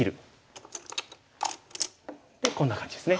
でこんな感じですね。